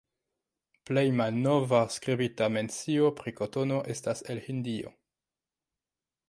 Plej malnova skribita mencio pri kotono estas el Hindio.